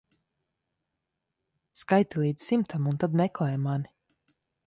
Skaiti līdz simtam un tad meklē mani.